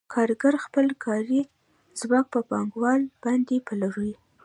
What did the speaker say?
کارګر خپل کاري ځواک په پانګوال باندې پلوري